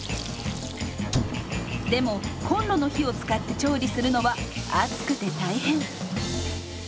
でもコンロの火を使って調理するのは暑くて大変。